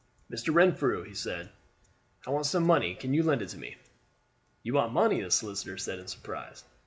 "Mr. Renfrew," he said, "I want some money; can you lend it me?" "You want money," the solicitor said in surprise.